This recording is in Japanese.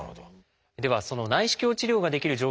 ではその内視鏡治療ができる条件